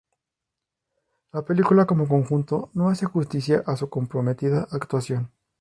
Le película, como conjunto, no hace justicia a su comprometida actuación.